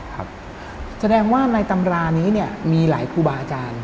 แสดงว่าในตำรานี้เนี่ยมีหลายครูบาอาจารย์